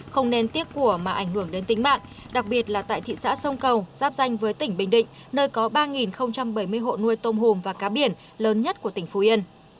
không nên tiếc của mà ảnh hưởng đến tính mạng đặc biệt là tại thị xã sông cầu giáp danh với tỉnh bình định nơi có ba bảy mươi hộ nuôi tôm hùm và cá biển lớn nhất của tỉnh phú yên